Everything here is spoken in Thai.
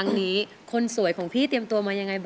แก้มขอมาสู้เพื่อกล่องเสียงให้กับคุณพ่อใหม่นะครับ